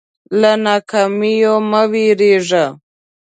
له ناکامیو مه وېرېږئ.